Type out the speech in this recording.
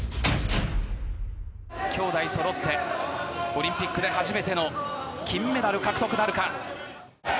きょうだいそろって、オリンピックで初めての金メダル獲得なるか。